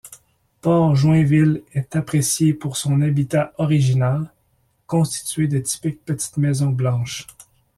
Port-Joinville est apprécié pour son habitat original, constitué de typiques petites maisons blanches.